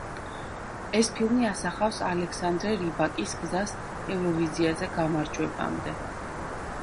ეს ფილმი ასახავს ალექსანდრე რიბაკის გზას ევროვიზიაზე გამარჯვებამდე.